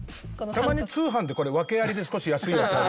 たまに通販で訳ありで少し安いやつある。